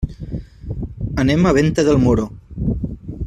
Anem a Venta del Moro.